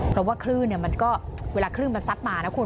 เพราะว่าคลื่นมันก็เวลาคลื่นมันซัดมานะคุณ